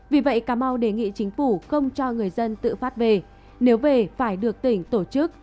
vì vậy cà mau đề nghị chính phủ không cho người dân tự phát về nếu về phải được tỉnh tổ chức